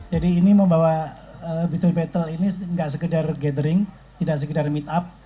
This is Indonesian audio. jadi ini membawa beetle battle ini tidak sekedar gathering tidak sekedar meet up